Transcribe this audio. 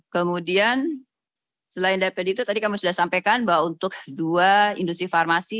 kemudian selain dpd itu tadi kamu sudah sampaikan bahwa untuk dua industri farmasi